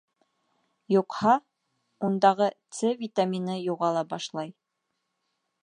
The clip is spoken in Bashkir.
Юҡһа, ундағы С витамины юғала башлай.